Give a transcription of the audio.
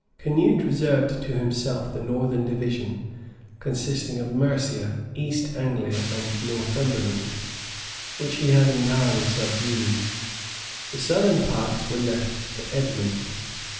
Canute reserved to himself the northern division, consisting of Mercia, East Anglia, and Northumberland, which he had entirely subdued. The southern parts were left to Edmond.